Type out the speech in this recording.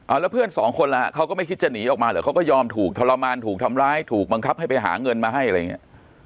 แล้วเพื่อนสองคนล่ะเขาก็ไม่คิดจะหนีออกมาเหรอเขาก็ยอมถูกทรมานถูกทำร้ายถูกบังคับให้ไปหาเงินมาให้อะไรอย่างเงี้ย